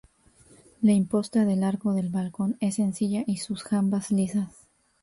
La imposta del arco del balcón es sencilla y sus jambas lisas.